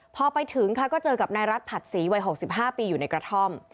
พอไปถึงค่ะก็เจอกับนายรัฐผัดศรีวัย๖๕ปีอยู่ในกระท่อม